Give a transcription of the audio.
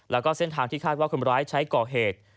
แล้วก็เส้นทางที่คาดว่าคนร้ายใช้ก่อเหตุ